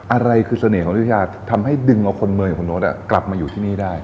อะไรคือเสน่ห์ของที่จะทำให้ดึงเอาคนเมืองของคุณโน๊ตกลับมาอยู่ที่นี่ได้